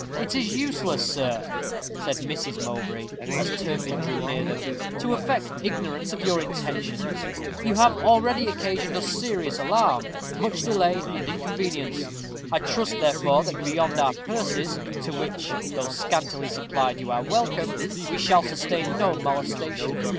"It is useless, sir," said Mrs. Mowbray, as Turpin drew near them, "to affect ignorance of your intentions. You have already occasioned us serious alarm; much delay and inconvenience. I trust, therefore, that beyond our purses, to which, though scantily supplied, you are welcome, we shall sustain no molestation.